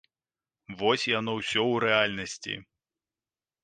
Вось яно усё ў рэальнасці.